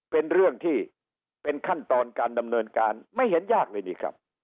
เป็นเรื่องที่เป็นขั้นตอนการดำเนินการไม่เห็นยากเลยนี่ครับ